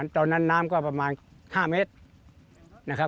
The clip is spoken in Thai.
ตอนนั้นน้ำก็ประมาณ๕เมตร